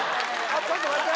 ちょっと待って！